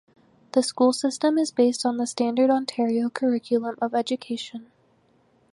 The school system is based on the standard Ontario curriculum of education.